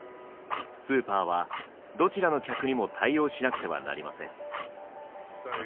スーパーはどちらの客にも対応しなくてはなりません。